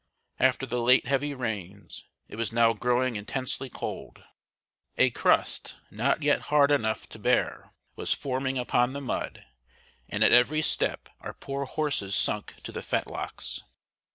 After the late heavy rains it was now growing intensely cold. A crust, not yet hard enough to bear, was forming upon the mud, and at every step our poor horses sunk to the fetlocks.